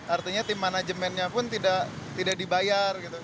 artinya tim manajemennya pun tidak dibayar gitu